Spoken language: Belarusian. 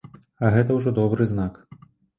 А гэта ўжо добры знак.